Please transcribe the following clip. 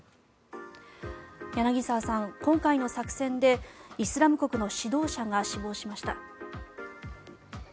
柳澤さん、今回の作戦でイスラム国の指導者が死亡しました。